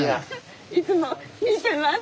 いつも見てます。